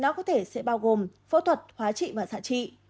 nó có thể sẽ bao gồm phẫu thuật hóa trị và xạ trị